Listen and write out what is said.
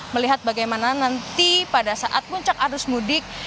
melihat bagaimana nanti pada saat puncak arus mudik